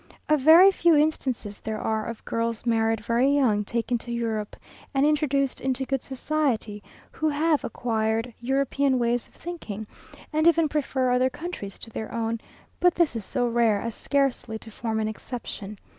A very few instances there are of girls, married very young, taken to Europe, and introduced into good society, who have acquired European ways of thinking, and even prefer other countries to their own; but this is so rare, as scarcely to form an exception.